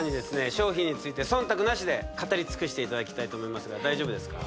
商品について忖度なしで語り尽くしていただきたいと思いますが大丈夫ですか？